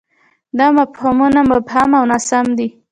دا مفهومونه مبهم او ناسم دي.